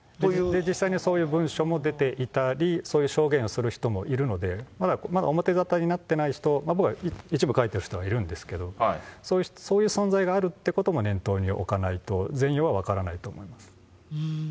実際にそういう文書も出ていたり、そういう証言をする人もいるので、まだ表沙汰になってない人、僕ら、一部書いてる人はいるんですけど、そういう存在があるってことも念頭に置かないと、全容は分からないと思うんです。